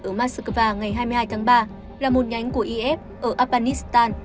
ở moscow ngày hai mươi hai tháng ba là một nhánh của if ở afghanistan